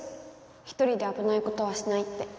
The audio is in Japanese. ひとりであぶないことはしないって。